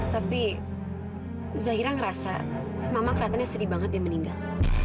tapi zaira ngerasa mama keliatannya sedih banget dia meninggal